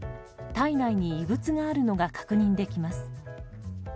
体内に異物があるのが確認できます。